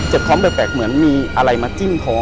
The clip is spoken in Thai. พร้อมแปลกเหมือนมีอะไรมาจิ้มคอ